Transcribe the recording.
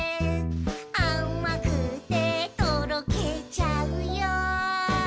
「あまくてとろけちゃうよ」